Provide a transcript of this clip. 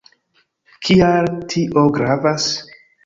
Kial tio gravas?